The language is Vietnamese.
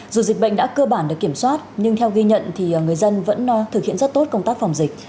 dù dịch bệnh đã cơ bản được kiểm soát nhưng theo ghi nhận thì người dân vẫn thực hiện rất tốt công tác phòng dịch